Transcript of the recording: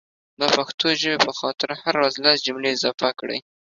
دا پښتو ژبې په خاطر هره ورځ لس جملي اضافه کړئ